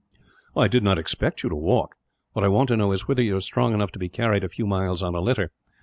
"I did not expect you to walk. What I want to know is whether you are strong enough to be carried a few miles, on a litter.